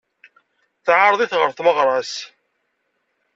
Teɛreḍ-it ɣer tmeɣra-s.